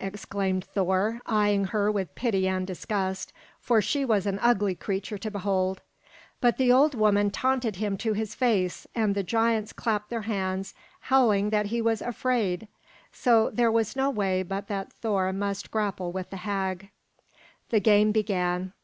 exclaimed Thor, eyeing her with pity and disgust, for she was an ugly creature to behold. But the old woman taunted him to his face and the giants clapped their hands, howling that he was "afraid." So there was no way but that Thor must grapple with the hag. The game began.